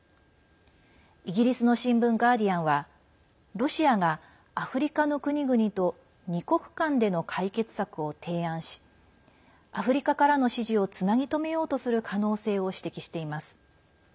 イギリスの新聞ガーディアンはロシアがアフリカの国々と２国間での解決策を提案しアフリカからの支持をつなぎ止めようとする可能性を指摘しています。